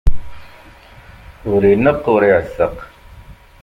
Ur ineqq, ur iɛetteq.